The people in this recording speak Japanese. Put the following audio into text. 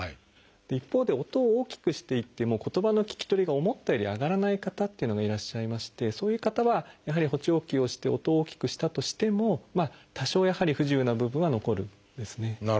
一方で音を大きくしていっても言葉の聞き取りが思ったより上がらない方というのがいらっしゃいましてそういう方はやはり補聴器をして音を大きくしたとしても多少やはり不自由な部分は残るんですね。